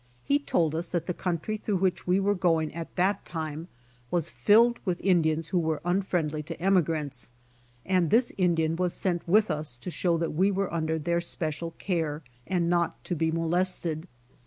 He told us that the country through which we were going at that time was filled with Indians who were unfriendly to emigrants, and this Indian was sent with us to show that we were under their special care and not to be molested.